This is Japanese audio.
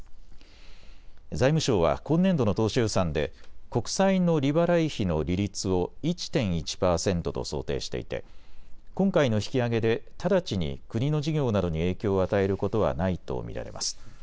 財務省は今年度の当初予算で国債の利払い費の利率を１．１％と想定していて今回の引き上げで直ちに国の事業などに影響を与えることはないと見られます。